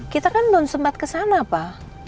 kita kan belum sempat ke sana pak